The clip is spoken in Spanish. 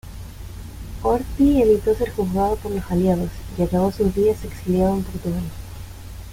Horthy evitó ser juzgado por los Aliados y acabó sus días exiliado en Portugal.